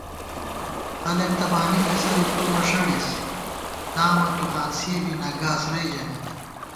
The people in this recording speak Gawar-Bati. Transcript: خلَک تہ بانی کھسَرِت، تُو مݭَڑِس، نامہ تُو ہانسِیَہ بی نہ گاس رئی ژمېت